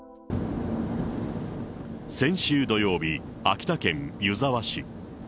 先週土曜日、秋田県湯沢市。